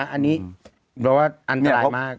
อันนี้แปลว่าอันตรายมาก